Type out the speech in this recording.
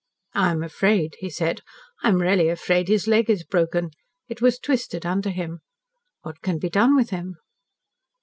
"I am afraid," he said; "I am really afraid his leg is broken. It was twisted under him. What can be done with him?"